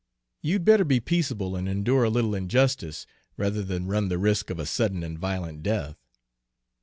You'd better be peaceable and endure a little injustice, rather than run the risk of a sudden and violent death."